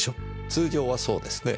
通常はそうですね。